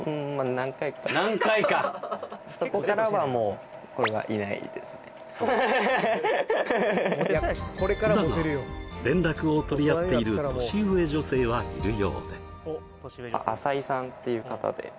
何回か何回かだが連絡を取り合っている年上女性はいるようで淺井さん？